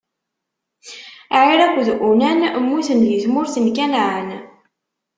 Ɛir akked Unan mmuten di tmurt n Kanɛan.